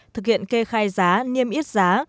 thực hiện kê khai giá niêm ít giá